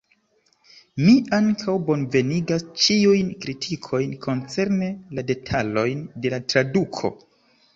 Mi ankaŭ bonvenigas ĉiujn kritikojn koncerne la detalojn de la traduko.